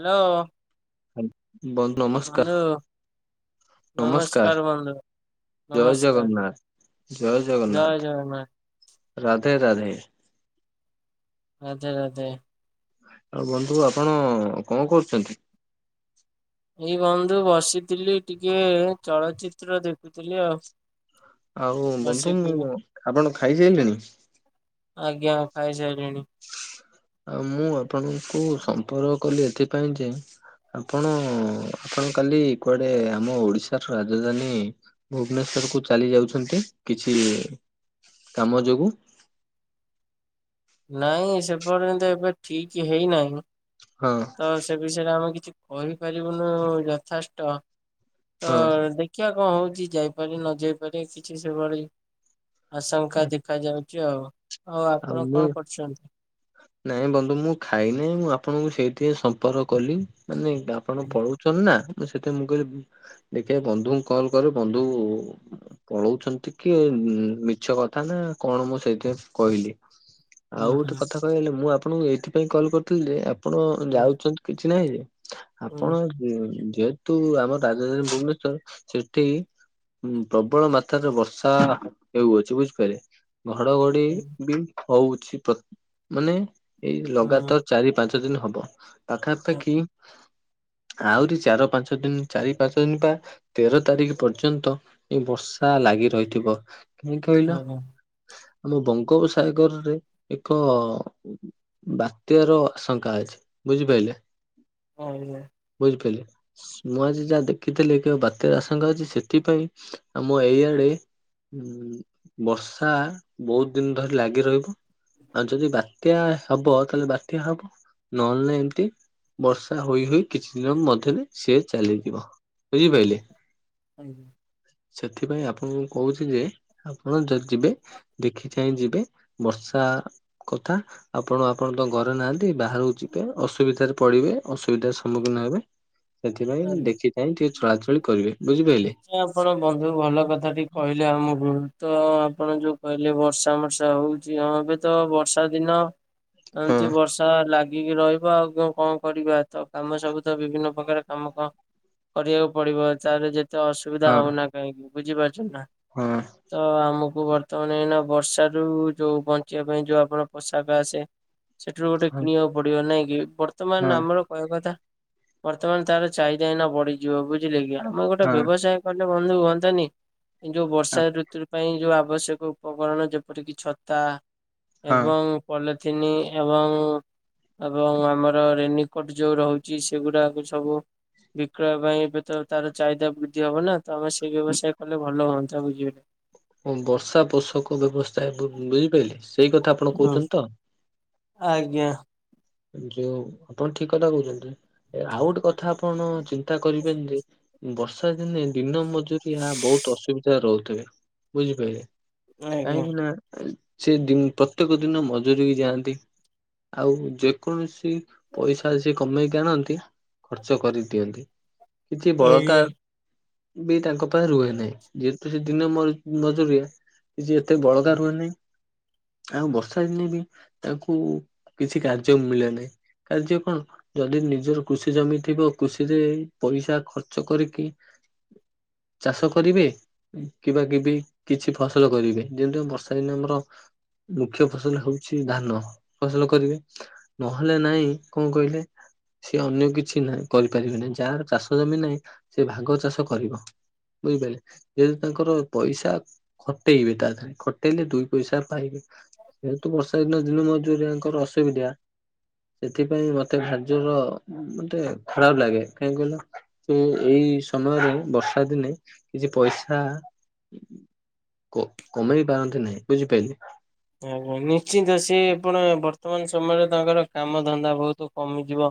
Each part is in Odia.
ହ୍ୟାଲୋ ବନ୍ଧୁ ନମସ୍କାର ନମସ୍କାର ବନ୍ଧୁ ଜୟ ନମସ୍କାର ଜଗନ୍ନାଥ ଜୟ ଜଗନ୍ନାଥ ରାଧେ ରାଧେ ରାଧେ ରାଧେ ଆଉ ବନ୍ଧୁ ଆପଣ କଣ କରୁଛନ୍ତି ଏଇ ବନ୍ଧୁ ବସିଥିଲି ଟିକେ ଚଳଚ୍ଚିତ୍ର ଦେଖୁଥିଲି ଆଉ ଆଉ ବନ୍ଧୁ ବସିକି ମୁଁ ଆପଣ ଖାଇସାରିଲଲେଣି? ଆଜ୍ଞା ଖାଇସାରିଲିଣି। ଆଉ ମୁଁ ଆପଣଙ୍କୁ ସମ୍ପର୍କ କଲି ଏଥିପାଇଁ ଯେ ଆପଣ ଆପଣ କାଲି କୁଆଡେ ଆମ ଓଡିଶାର ରାଜଧାନୀ ଭୁବନେଶ୍ଵର କୁ ଚାଲି ଯାଉଛନ୍ତି କିଛି କାମ ଯୋଗୁ। ନାଇଁ ସେପର୍ଯ୍ୟନ୍ତ ଏବେ ଠିକ ହେଇନାହିଁ। ହଁ ତ ସେ ବିଷୟରେ ଆମେ କିଛି କହିପାରିବୁନୁ ଯଥେଷ୍ଟ। ତ ହଁ। ଦେଖ ଦେଖିବା କଣ ହଉଛି ଯାଇପାରେ ନ ଯାଇପାରେ କିଛି ସେଭଳି ଆଶଙ୍କା ଦେଖା ଯାଉଛି ଆଉ ଆଉ ଆପଣ କଣ କରୁଛନ୍ତି। ନାଇଁ ବନ୍ଧୁ ମୁଁ ଖାଇ ନାହିଁ ମୁଁ ଆପଣଙ୍କୁ ସେଇଥି ପାଇଁ ସମ୍ପର୍କ କଲି ମାନେ ଆପଣ ହୁଁ ପଳଉଛନ୍ତି ନା ମୁଁ ସେଥିପାଇଁ ମୁଁ କହିଲି ଦେଖିବା ବନ୍ଧୁଙ୍କୁ କଲ କରେ ବନ୍ଧୁ ପଳଉଛନ୍ତି କି ମିଛ କଥା ନା କଣ ମୁଁ ସେଇଥିପାଇଁ କହିଲି ହୁଁ ଆଉ ଗୋଟେ କଥା କହିବାକୁଗଲେ ମୁଁ ଆପଣଙ୍କୁ ଏଇଥିପାଇଁ କଲ୍ କରିଥିଲି ଯେ ଆପଣ ହୁଁ ଯାଉଛନ୍ତି କିଛି ନାହିଁ ଯେ ହୁଁ ଆପଣ ଯେହେତୁ ଆମର ରାଜଧାନୀ ଭୁବନେଶ୍ଵର ସେଠି ହୁଁ ପ୍ରବଳ ମାତ୍ରାରେ ବର୍ଷା ହେଉଅଛି। ବୁଝିପାରିଲେ? ଘଡଘଡି ହୁଁ ବି ହଉଛି ପ୍ରତି ମାନେ ଏଇ ଲଗାତାର ଚାରିପାଞ୍ଚ ଦିନ ହବ ପାଖାପାଖି [inaudible] ଆହୁରି ଚାର ପାଞ୍ଚ ଦିନ ଚାରି ପାଞ୍ଚ ଦିନପା ତେର ତାରିଖ ପର୍ଯ୍ୟନ୍ତ ଏଇ ବର୍ଷା ଲାଗି ରହିଥିବ କାହିଁକି କହିଲ। ଆଜ୍ଞା ମୁଁ ବଙ୍ଗ ବଙ୍ଗୋପସାଗରରେ ଏକ ବାତ୍ୟାର ଆଶଙ୍କା ଅଛି ବୁଝିପାରିଲେ? ହଁ ଆଜ୍ଞା ବୁଝିପାରିଲେ ମୁଁ ଆଜି ଯାହା ଦେଖିଥିଲି କି ବାତ୍ୟାର ଆଶଙ୍କା ଅଛି ସେଥିପାଇଁ ଆମ ଏଇଆଡେ ହଁ ବର୍ଷା ବହୁତ ଦିନ ଧରି ଲାଗି ରହିବ ଆଉ ଯଦି ବା ବାତ୍ୟା ହବ ତାହେଲେ ବାତ୍ୟା ହବ। ନହେଲେ ନାଇଁ ଏମତି ବର୍ଷା ହୋଇ ହୋଇ କିଛି ଦିନ ମଧ୍ୟରେ ସିଏ ଚାଲିଯିବ। ବୁଝିପାରିଲେ? ଆଜ୍ଞା ସେଥିପାଇଁ ଆପଣଙ୍କୁ କହୁଛି ଯେ ଆପଣ ଯଦି ଯିବେ ଦେଖି ଚାହିଁ ଯିବେ ବର୍ଷା କଥା ଆପଣ ଆପଣ ତ ଘରେ ନାହାନ୍ତି ବାହାରକୁ ଯିବେ ଅସୁବିଧାରେ ପଡିବେ ଅସୁବିଧାର ସମ୍ମୁଖୀନ ହେବେ। ସେଥିପାଇଁ ଆଜ୍ଞା। ଦେଖି ଚାହିଁ ଟିକେ ଚଳାଚଳି କରିବେ ବୁଝିପାରିଲେ? ଆଚ୍ଛା ଆପଣ ବନ୍ଧୁ ଭଲ କଥାଟି କହିଲେ ଆମକୁ ତ ଆପଣ ଯୋଉ କହିଲେ ବର୍ଷା ମର୍ଷା ହଉ ଚି ଏବେ ତ ବର୍ଷା ଦିନ ହଁ ଏମତି ବର୍ଷା ଲାଗିକି ରହିବ ଆଉ କଣ କରିବା ତ କାମ ସବୁ ତ ବିଭିନ୍ନ ପ୍ରକାର ତମକୁ କରିବାକୁ ପଡିବ ତାରେ ଯେତେ ଅସୁବିଧା ହଁ ହଉନା କାହିଁକି ବୁଝିପାରୁଛ ନା? ହଁ ତ ଆମକୁ ବର୍ତ୍ତମାନ ଏଇନା ବର୍ଷା ରୁ ଯୋଉ ବଞ୍ଚିବା ପାଇଁ ଯୋଉ ଆପଣ ପୋଷାକ ଆସେ ସେଠିରୁ ଗୋଟେ ହଁ କିଣିବାକୁ ପଡିବ ନାଇଁ କି ହଁ ବର୍ତ୍ତମାନ ଆମର କହିବା କଥା ବର୍ତ୍ତମାନ ତାର ଚାହିଦା ଏଇନା ବଢଯିବ ବୁଝିଲେ କି ଆମେ ଗୋଟେ ହଁ। ବ୍ୟବସାୟ କଲେ ବନ୍ଧୁ ହୁଅନ୍ତାନି? ଏଇ ଯୋଉ ବର୍ଷା ଋତୁ ପାଇଁ ଯୋଉ ଆବଶ୍ୟକ ଉପକରଣ ଯେପରିକି ଛତା ହଁ। ଏବଂ ପଲଥିନି ଏବଂ ଏବଂ ଆମର ରେନିକୋଟ ଯୋଉ ରହୁଛି ସେଗୁଡାକୁ ସବୁ ବିକ୍ରୟ ପାଇଁ ଏବେ ତ ତାର ଚାହିଦା ବୃଦ୍ଧି ହବ ନା ତ ଆମେ ସେଇ ବ୍ୟବସାୟ କଲେ ଭଲ ହୁଅନ୍ତା ବୁଝିପାଇଲେ? ହଁ ବର୍ଷା ପୋଷକ ବ୍ୟବସ୍ଥା ବୁ-ବୁଝିପାରିଲି ସେଇ କଥା ଆପଣ ହୁଁ କହୁଛନ୍ତି ତ? ଆଜ୍ଞା। ଯୋଉ ଆପଣ ଠିକ କଥା କହୁଛନ୍ତି। ଆଉ ଗୋଟେ କଥା ଆପଣ ଚିନ୍ତା କରିବେନି ଯେ ବର୍ଷା ଦିନେ ଦିନ ମଜୁ ରିଆ ବହୁତ ଅସୁବିଧାରେ ରହୁଥିବେ ବୁଝିପାରିଲେ ଆଜ୍ଞା କାହିଁକି ନା ସେ ଦି ପ୍ରତ୍ୟେକ ଦିନ ମଜୁରିକି ଯାଆନ୍ତି ଆଉ ଯେକୌଣସି ପଇସା ସେ କମେଇକି ଆଣନ୍ତି ଖର୍ଚ୍ଚ କରିଦିଅନ୍ତି କିଛି ବଳକା ଆଜ୍ଞା। ବି ତାଙ୍କ ପାଖ ରୁହେ ନାହିଁ ଯେହେତୁ ସେ ଦିନ ମ-ମଜୁରିଆ। କିଛି ଏତେ ବଳକା ରୁହେ ନାହିଁ ଆଉ ବର୍ଷା ଦିନେ ବି ତାକୁ କିଛି କା ଜ ମିଳେ ନାଇଁ କାର୍ଯ୍ୟ କଣ ଯଦି ନିଜର କୃଷି ଜମି ଥିବ କୃଷିରେ ପଇସା ଖର୍ଚ୍ଚ କରିକି ଚାଷ କରିବେ। କିବା କିବି କିଛି ଫସଲ କରିବେ ଯେମିତି ଆମ ବର୍ଷା ଦିନେ ଆମର ମୁଖ୍ୟ ଫସଲ ହଉଛି ଧାନ ଫସଲ କରିବେ। ନହେଲେ ନାଇଁ କଣ କହିଲେ? ସିଏ ଅନ୍ୟ କିଛି ନାହିଁ କରିପାରିବେ ନାହିଁ ଯାହାର ଚାଷ ଜମି ନାହିଁ ସେ ଭାଗ ଚାଷ କରିବ। ବୁଝିପାରିଲେ ଯେହେତୁ ତାଙ୍କର ପଇସା ଖଟେଇବେ ତା ଧେରେ ଖଟେଇଲେ ଦୁଇ ପଇସା ପାଇବେ। ଯେହେତୁ ବର୍ଷା ଦିନ ଦିନ ମଜୁରିଆଙ୍କର ଅସୁବିଧା। ସେଥିପାଇଁ ମତେ ଭାରି ଜୋର ମତେ ଖରାପ ଲାଗେ କାହିଁ କହିଲ ସେ ଏଇ ସମୟରେ ବର୍ଷା ଦିନେ କିଛି ପଇସା କ-କମେଇ ପାରନ୍ତି ନାହିଁ ବୁଝିପାରିଲେ। ଆଜ୍ଞା ନିଶ୍ଚିନ୍ତ ସିଏ ଆପଣ ବର୍ତ୍ତମାନ ସମୟରେ ତାଙ୍କର କାମ ଧନ୍ଦା ବହୁତ କମିଯିବ।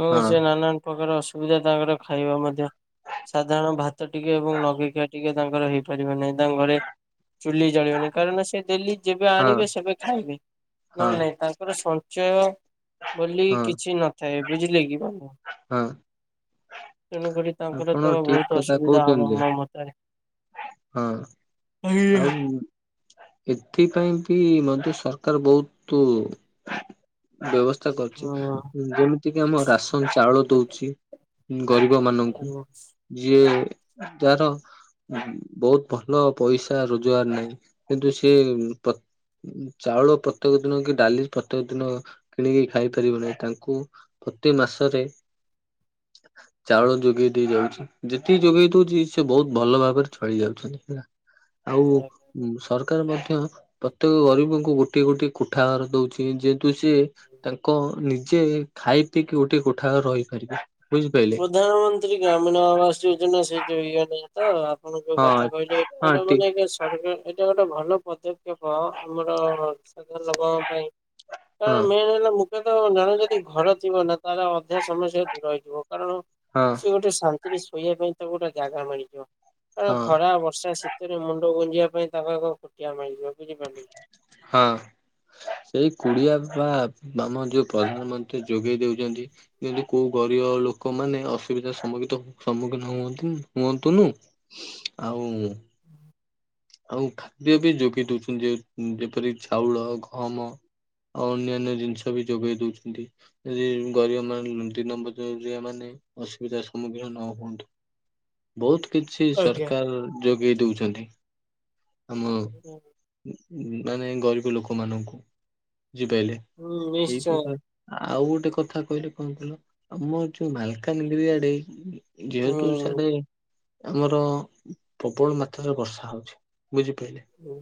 ହଁ ସେ ନାନା ପ୍ରକାର ଅସୁବିଧା ତାଙ୍କର ଖାଇବା ମଧ୍ୟ ସାଧାରଣ ଭାତ ଟିକେ ଏବଂ ନଗେଇକିଆ ଟିକେ ତାଙ୍କର ହେଇପାରିବ ନାହିଁ ତାଙ୍କ ଘରେ ଚୁଲି ଜାଳିବନି କାରଣ ସେ ଡେଲି ଯେବେ ହଁ ଆଣିବେ ସେବେ ଖାଇବେ ହଁ ନହେଲେ ନାଇଁ ତାଙ୍କର ସଞ୍ଚୟ ବୋଲି ହଁ କିଛି ନଥାଏ ବୁଝିଲେ କି ବନ୍ଧୁ? ହଁ। ତେଣୁ କରି ତାଙ୍କର ଆପଣ ତ ଠିକ ବହୁତ କଥା ଅସୁବିଧା ହବ କହୁଛନ୍ତି ଯେ ମୋ ମତରେ। ହଁ ହୁଁ ଆଉ ଉଁ ଏଥିପାଇଁ କି ମଧ୍ୟ ସରକାର ବହୁତୁ ବ୍ୟବସ୍ଥା କରୁଛି ଯେମିତି କିି ଆମ ରାସନ ଚାଉଳ ଦଉଛି। ଗରିବ ମାନଙ୍କୁ ଯିଏ ଯାହାର ଉଁ ବହୁତ ଭଲ ପଇସା ରୋଜଗାର ନାହିଁ କିନ୍ତୁ ସିଏ ପ୍ର ଉଁ ଚାଉଳ ପ୍ରତ୍ୟେକ ଦିନ କି ଡାଲି ପ୍ରତ୍ୟେକ ଦିନ କିଣିକି ଖାଇ ପାରିବ ନାହି ତାଙ୍କୁ। ପ୍ରତି ମାସରେ। ଚାଉଳ ଯୋଗେଇ ଦେଇ ଯାଉଛି ଯେତିକି ଯୋଗେଇ ଦଉଛି ସେ ବହୁତ ଭଲ ଭାବରେ ଛଳି ଯାଉଛନ୍ତି ହେଲା ଆଉ। ଉଁ ସରକାର ମଧ୍ୟ ପ୍ରତ୍ୟେକ ଗରିବଙ୍କୁ ଗୋଟିଏ ଗୋଟିଏ କୋଠା ଘର ଦଉଛି। ଯେହେତୁ ସିଏ ତାଙ୍କ ନିଜେ ଖାଇ ପିଇକି ଗୋଟିଏ କୋଠା ରହିପାରିବେ। ବୁଝିପାଇଲେ? ପ୍ରଧାନମନ୍ତ୍ରୀ, ଗ୍ରାମୀଣ ଆବାସ ଯୋଜନା, ସେ ଯୋଉ ଇଆଡେ ତ, ଆପଣଯୋଉ କଥା ହଁ କହିଲେ, ଏଟ ହଁ ଗୋଟେ ଠିକ ମାନେ ସରକାର, ଏଇଟା ଗୋଟେ ଭଲ ପଦକ୍ଷେପ ଆମର ଲୋକଙ୍କ ପାଇଁ, ହଁ ମେନ ହେଲା ମୁଁ ତ ଜଣେ ଯଦି ଘର ଥିବ ନା, ତାର ଅଧା ସମସ୍ୟା ଦୂର ହେଇଯିବ। କାରଣ ହଁ ସିଏ ଗୋଟେ ଶାନ୍ତି ଟିକିଏ, ଶୋଇବା ପାଇଁ ତାକୁ ଗୋଟେ ଜାଗା ମିଳିବ, ହଁ। ଖରା, ବର୍ଷା, ଶୀ ଟିକିଏ ମୁଣ୍ଡ ଗୁଞିବା ପାଇଁ ତାଙ୍କୁ ଆଗ ଖଟିଆ ମଳିଯିବ, ବୁଝିପାରିଲେ? ହଁ ଏଇ କୁଡିଆ ପା, ଆମ ଯୋଉ ପ୍ରଧାନମନ୍ତ୍ରୀ ଯୋଗେଇ ଦେଉଚନ୍ତି। ଯେମତି, କୋଉ ଗରିବ ଲୋକମାନେ, ଅସୁବିଧା ସମ୍ମୁଖୀତ ସମ୍ମୁଖୀନ ହୁଅନ୍ତୁ, ହୁଅନ୍ତୁନୁ। ଆଉ ଆଉ ଖାଦ୍ୟ ବି ଯୋଗାଇ ଦଉଚନ୍ତି। ଯେ ଯେପରି ଚାଉଳ, ଗହମ ଆଉ ଅନ୍ୟାନ୍ୟ ଜିନିଷ ବି ଯୋଗେଇ ଦେଉଚନ୍ତି। ଯଦି ଗରିବ ମାନ ଦିନମଜୁରିଆ ମାନେ ଅସୁବିଧାର ସମ୍ମୁଖୀନ ନ ହୁଅନ୍ତୁ। ବହୁତ୍ କିଛି ଆଜ୍ଞା। ସରକାର ଯୋଗେଇ ଦଉଚନ୍ତି। ଆମ ମାନେ ଗରିବ ଲୋକମାନଙ୍କୁ। ବୁଝିପାରିଲେ। ହୁଁ ଏଇ ନିଶ୍ଚୟ ପ୍ରକାର ଆଉ ଗୋଟେ କଥା କହିଲେ କଣ କହିଲ, ଆମର ଯୋଉ ମାଲକାନଗିରି ଆଡେ ଯେହେତୁ ହୁଁ। ସେ ଆମର ପ୍ରବଳ ମାତ୍ରାରେ ବର୍ଷା ହଉଚି। ବୁଝିପାରିଲେ। ହୁଁ।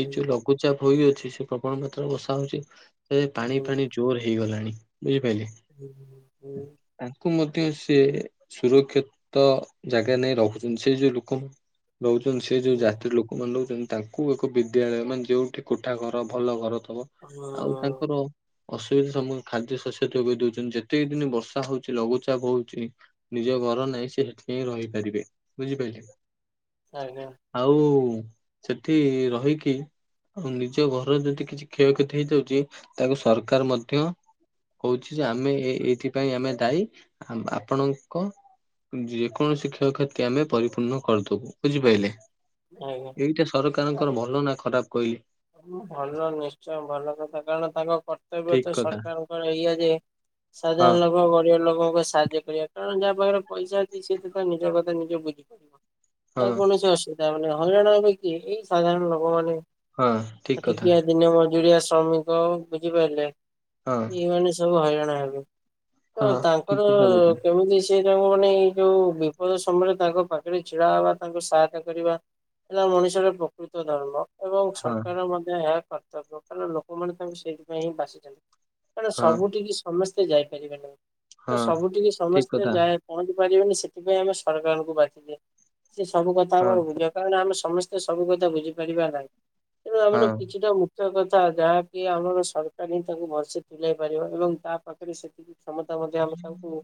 ଏ ଯୋଉ ଲଘୁଚାପ ହୋଇଅଛି, ସେ ପ୍ରବଳ ମାତ୍ରାରେ ବର୍ଷା ହଉଚି। ସେ ପାଣି ହୁଁ ଫାଣି ଜୋରେ ହେଇଗଲାଣି। ବୁଝିପାରିଲେ। [inaudible] ତାଙ୍କୁ ମଧ୍ୟ ସେ ସୁରକ୍ଷି ତ ଜାଗା ନେଇ ରହୁଚନ୍ତି, ସେ ଯୋଉ ଲୋକ ରହୁଛନ୍ତି ସେ ଯୋଉ ହୁଁ। ଜାତିର ଲୋକମାନଙ୍କୁ ରହୁଛନ୍ତି, ତାଙ୍କୁ ତ ଙ୍କୁ ଏକ ବିଦ୍ୟାଳୟ ମାନେ, ଯୋଉଠି କୋଠା ଘର, ଭଲ ଘର ଥବ ଆଉ ତାଙ୍କର ଅସୁବିଧା ସମୁ ଖାଦ୍ୟ ଶସ୍ୟ ଯୋଗାଇ ଦଉଛନ୍ତି। ଯେତକି ଦିନି ବର୍ଷା ହଉଚି, ଲଘୁଚାପ ହଉଚି ନିଜ ଘର ନାଇଁ, ସେ ହେଠି ଯାଇଁ ରହିପାରିବେ। ବୁଝିପାରିଲେ। ଆଜ୍ଞା। ଆଉ ସେଠି ରହିକି ନିଜ ଘରର ଯଦି କିଛି କ୍ଷୟକ୍ଷତି ହେଇଯାଉଚି, ତାକୁ ସରକାର ମଧ୍ୟ କହୁଚି ଯେ ଆମେ ଏ ଏଇଥିପାଇଁ ଆମେ ଦାୟୀ। ଆପଣଙ୍କ ଯେକୌଣସି କ୍ଷୟକ୍ଷତି ଆମେ ପରିପୂର୍ଣ୍ଣ କରିଦବୁ। ବୁଝିପାରିଲେ। ଆଜ୍ଞା। ଏଇଟା ସରକାରଙ୍କର ଭଲ ନା ଖରାପ କହିଲେ? ଭଲ, ନିଶ୍ଚୟ ଭଲ କଥା। କାରଣ ତାଙ୍କ କର୍ତ୍ତବ୍ୟ ଠିକ ତ କଥା ସରକାରଙ୍କର ଏଇଆ ଯେ ହଁ ସାଧାରଣ ଲୋକ, ଗରିବ ଲୋକଙ୍କୁ ସାହାଯ୍ୟ କରିବା। କାରଣ ଯାହା ପାଖରେ ପଇସା ଅଛି ସିଏ ତ ତା ନିଜ କଥା ନିଜେ ବୁଝିପାରିବ। ହଁ ତାର କୌଣସି ଅସୁ ବିଧା ହବନି। ହଇରାଣ ହେବେ କିଏ? ଏଇ ସାଧାରଣ ଲୋକ ମାନେ। ହଁ। ଠିକ କଥା ଖଟିଖିଆ, ଦିନ ମଜୁରିଆ, ଶ୍ରମିକ ବୁଝିପାରିଲେ। ହଁ ଏଇ ମାନେ ସବୁ ହଇରାଣ ହେବେ। ତ ହଁ ତାଙ୍କର ଠିକ କଥା କହୁଛନ୍ତି କେମିତି କିଏ ଜଣ ଙ୍କ ମନେ ଏ ଯୋଉ ବିପଦ ସମୟରେ ତାଙ୍କ ପାଖରେ ଛିଡା ହେବା, ତାଙ୍କୁ ସହାୟତା କରିବା ଏଟା ମଣିଷର ପ୍ରକୃତ ଧର୍ମ। ଏବଂ ହଁ ସରକାରର ମଧ୍ୟ ଏହା କର୍ତ୍ତବ୍ୟ। କାରଣ ଲୋକମାନେ ତାଙ୍କୁ ସେଇଥିପାଇଁ ହିଁ ବାଛିଚନ୍ତି। କାରଣ ହଁ ସବୁଠିକି ସମସ୍ତେ ଯାଇପାରିବେ ନାହିଁ। ତ ହଁ ସବୁଠିକି ଠିକ ସମସ୍ତେ କଥା ଯାଏ ପହଞ୍ଚିପାରିବେନି ସେଥିପାଇଁ ଆମେ ସରକାରଙ୍କୁ ବାଛିଚେ। ସେ ସବୁ କଥା ହଁ ଆମର ବୁଝା କାରଣ ଆମେ ସମସ୍ତେ ସବୁ କଥା ବୁଝିପାରିବା ନାହିଁ। ତେଣୁ ଆମର ହଁ କିଛିଟା ମୁ କଥା ଯାହାକି ଆମର ସରକାର ହିଁ ତାଙ୍କୁ ଭଲସେ ତୁଲାଇ ପାରିବ। ଏବଂ ତା ପାଖରେ ସେତିକି କ୍ଷମତା ମଧ୍ୟ ଆମେ ତାଙ୍କୁ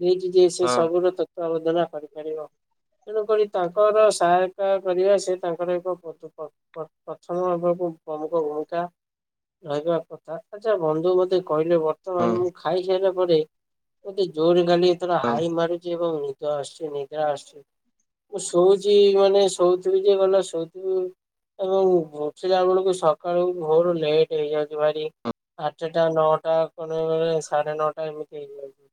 ଦେଇଚି ଯେ, ସେ ହଁ ସବୁର ତତ୍ତ୍ୱାବଧନା କରିପାରିବ। ତେଣୁକରି ତାଙ୍କର ସହାୟତା କରିବା ସେ ତାଙ୍କର ଏକ। [unintelligible] ପ୍ରଥମ ଏବକୁ ପ୍ରମୁଖ ଭୂମିକା ରହିବା କଥା। ଆଚ୍ଛା ବନ୍ଧୁ ମୋତେ କହିଲେ ବ ହଁ ର୍ତ୍ତମାନ ମୁଁ ଖାଇସାରିଲା ପରେ ମତେ ଜୋରେ ଖାଲି ଏଥର ହଁ ହାଇ ମାରୁଚି ଏବଂ ନି ନିଦ ଆସୁଚି ନିଦ୍ରା ଆସୁଚି। ମୁଁ ଶୋଉଚି ମାନେ ଶୋଉଥିବି ଯେ ଗଲା ଶୋଉଥିବି ଏବଂ ଉଠିଲା ବେଳକୁ ସକାଳୁ ଭୋର୍ ଲେଟ୍ ହେଇଯାଉଚି ଭାରି। ଆଠଟା, ନଅଟା କଣ ବେଳେ ସାଢେ ନଅଟା ଏମିତି ହେଇଯାଉଚି।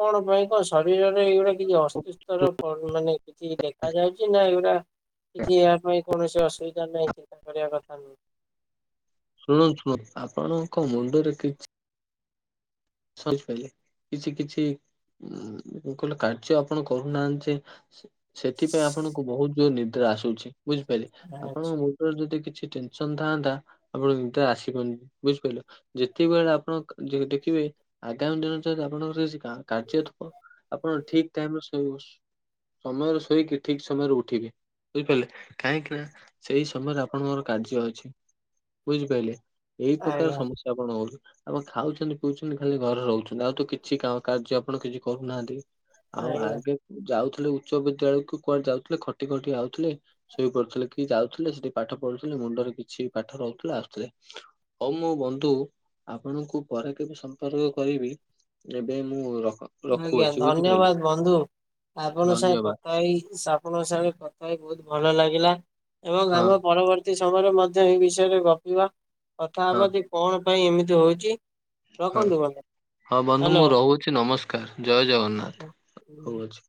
କଣ ପାଇଁ କଣ ଶରୀରରେ ଏଇଗୁଡା କିଛି ଅସୁସ୍ଥର ମାନେ କିଛି ଦେଖା ଯାଉଚି ନା ଏଗୁଡା କିଛି ଏହା ପାଇଁ କୌଣସି ଅସୁବିଧା ନାହିଁ। ଚିନ୍ତା କରିବା କଥା ନୁହେଁ? ଶୁଣନ୍ତୁ ଶୁଣନ୍ତୁ, ଆପଣଙ୍କ ମୁଣ୍ଡରେ କି [unintelligible] କିଛି କିଛି କହିଲ କାର୍ଯ୍ୟ ଆପଣ କରୁନାହାନ୍ତି ଯେ ସେଥିପାଇଁ ଆପଣଙ୍କୁ ବହୁତ ଜୋର ନିଦ୍ରା ଆସୁଛି। ବୁଝିପାରିଲେ ଆପଣ ଆଚ୍ଛା ଯଦି କିଛି ଟେନସନ ଥାନ୍ତା ଆପଣ ନିଦ ଆସିବନି ବୁଝିପାରିଲ? ଯେତକିବେଳେ ଆପଣ ଦେଖିବେ ଆଗାମୀ ଦିନ ଯଦି ଆପଣଙ୍କର କି କା କାର୍ଯ୍ୟଥିବ ଆପଣ ଠିକ ଟାଇମରେ ସୋ ସ ସମୟରେ ଶୋଇକି ଠିକ ସମୟରେ ଉଠିବେ। ବୁଝିପାରିଲେ କାହିଁକି ନା ସେଇ ସମୟରେ ଆପଣଙ୍କୋର କାର୍ଯ୍ୟ ଅଛି ବୁଝିପାରିଲେ? ଏଇ ପ୍ରକାର ଆଜ୍ଞା ସମସ୍ୟା ଆପଣହଉଚି। ଆପଣ ଖାଉଚନ୍ତି ପିଉଚନ୍ତି ଖଲି ଘରେ ରହୁଚନ୍ତି ଆଉ ତ କିଛି କା କାର୍ଯ୍ୟ ଆପଣ କିଛି କରୁନାହାନ୍ତି। ଆଉ ଆଜ୍ଞା। ଆଗେ ଯାଉଥିଲେ ଉଚ୍ଚ ବିଦ୍ୟାଳୟକୁ କୁଆଡେ ଯାଉଥିଲେ? ଖଟି ଖଟି ଆଉଥିଲେ ଶୋଇ ପଡ଼ୁଥିଲେ। କି ଯାଉଥିଲେ ସେଠି ପାଠ ପଢୁଥିଲେ ମୁଣ୍ଡରେ କିଛି ପାଠ ରହୁଥିଲା ଆସୁଥିଲେ। ହଉ ମୋ ବନ୍ଧୁ ଆପଣଙ୍କୁ ପରେ କେବେ ସମ ସମ୍ପର୍କ କରିବି ଏବେ ମୁଁ ରଖ ଆଜ୍ଞା। ରଖୁଅଛି ବୁଝିପାରିଲେ। ଧନ୍ୟବାଦ ବନ୍ଧୁ ଆପଣ ସାଙ୍ଗେ ଧନ୍ୟବାଦ କଥା ହେଇ ସା ଆପଣଙ୍କ ସାଙ୍ଗେ କଥା ହେଇ ବହୁତ ଭଲ ଲାଗିଲା। ଏବଂ ହଁ ଆମ ପରବର ତି ସମୟରେ ମଧ୍ୟ ଏ ବିଷୟରେ ଗପିବା କଥା ହଁ ହେବ। ଯେ କଣ ପାଇଁ ଏମିତି ହଉଚି? ହଁ ହଁ ବନ୍ଧୁ ମୁଁ ରହୁଛି ନମସ୍କାର ଜୟ ଜଗନ୍ନାଥ ରହୁଅଛି।